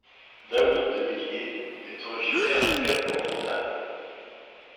Dawie de Villiers est originaire du Cap-Oriental.